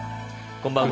こんばんは。